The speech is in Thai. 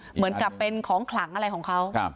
เหมือนกับเป็นของขลังอะไรของเขา